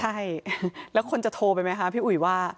ใช่แล้วคนจะโทรไปไหมคะพี่อุ๋ยว่า